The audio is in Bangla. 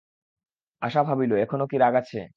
আশা ভাবিল, এখনো কি রাগ আছে।